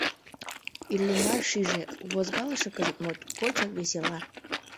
Иллимар шиже: у возгалыше кызыт моткочак весела.